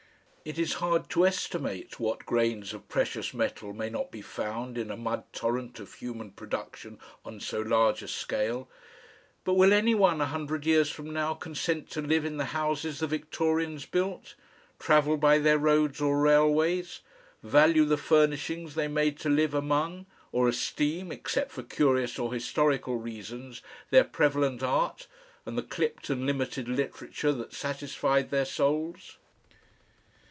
It is hard to estimate what grains of precious metal may not be found in a mud torrent of human production on so large a scale, but will any one, a hundred years from now, consent to live in the houses the Victorians built, travel by their roads or railways, value the furnishings they made to live among or esteem, except for curious or historical reasons, their prevalent art and the clipped and limited literature that satisfied their souls?